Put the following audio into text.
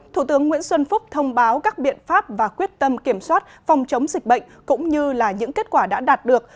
thủ tướng nguyễn xuân phúc thông báo các biện pháp và quyết tâm kiểm soát phòng chống dịch bệnh cũng như là những kết quả đã đạt được